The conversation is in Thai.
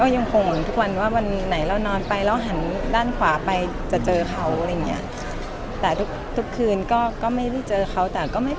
เหมือนว่าวันไหนเรานอนไปเราหันด้านขวาไปจะเจอเขา